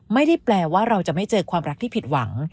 ไม่ได้แปลว่าเราจะไม่เจอความรักที่ผิดหวัง